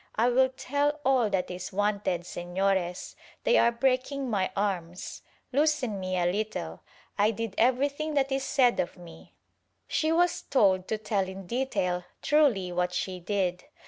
— I will tell all that is wanted, Sefiores — they are breaking my arms — loosen me a little — I did everything that is said of me." She was told to tell in detail truly what she did.